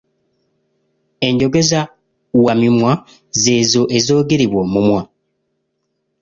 Enjogeza wamimwa z’ezo ezoogerebwa omumwa.